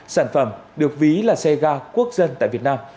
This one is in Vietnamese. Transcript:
sản phẩm được ví là xe ga quốc dân tại việt nam